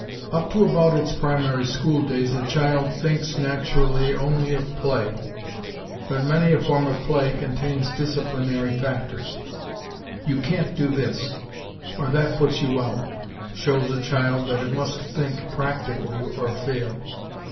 Up to about its primary school days a child thinks, naturally, only of play. But many a form of play contains disciplinary factors. "You can't do this," or "that puts you out," shows a child that it must think, practically, or fail.